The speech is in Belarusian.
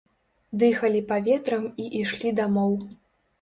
Дыхалі паветрам і ішлі дамоў.